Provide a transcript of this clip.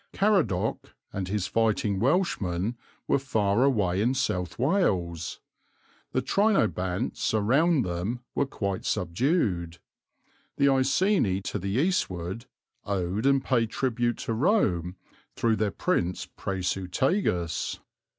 Caradoc and his fighting Welshmen were far away in South Wales. The Trinobantes around them were quite subdued. The Iceni, to the eastward, owed and paid tribute to Rome through their Prince Prasutagus.